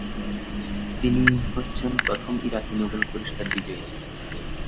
তিনি হচ্ছেন প্রথম ইরাকি নোবেল পুরস্কার বিজয়ী।